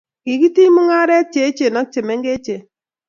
kikitiny mung'arenik che echen ak che mengechen